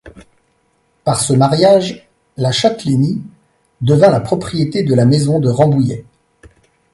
Par ce mariage, la châtellenie devint la propriété de la Maison de Rambouillet.